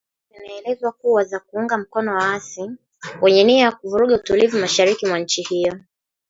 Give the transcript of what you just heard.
Shutuma hizo zinaelezewa kuwa za kuunga mkono waasi , wenye nia ya kuvuruga utulivu mashariki mwa nchi hiyo